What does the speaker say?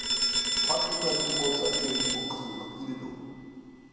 قان يېتەرلىك بولسا تېرىگىمۇ قىزىللىق يۈرىدۇ.